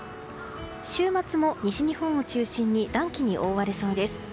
週末も西日本を中心に暖気に覆われそうです。